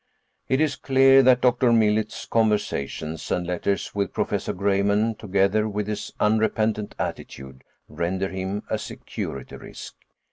"It is clear that Dr. Millet's conversations and letters with Professor Greyman, together with his unrepentant attitude, render him a security risk.